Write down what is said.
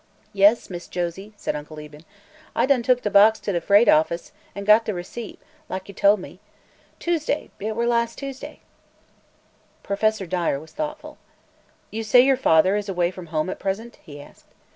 "Yes, Miss Josie," said Uncle Eben, "I done took de box to de freight office an' got de receipt, lak yo' tol' me. Tuesday, it were; las' Tuesday." Professor Dyer was thoughtful. "You say your father is away from home at present?" he asked.